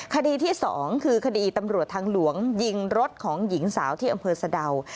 คดีที่๒คือคดีตำรวจทางหลวงยิงรถของหญิงสาวที่อำเภอสะดาว